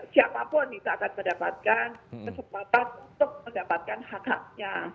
siapapun itu akan mendapatkan kesempatan untuk mendapatkan hak haknya